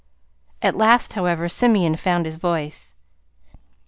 At last, however, Simeon found his voice.